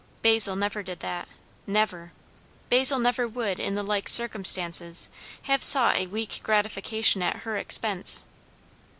Basil never did that, never. Basil never would in the like circumstances have sought a weak gratification at her expense.